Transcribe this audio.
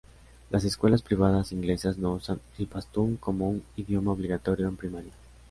Las escuelas privadas inglesas no usan el pastún como un idioma obligatorio en primaria.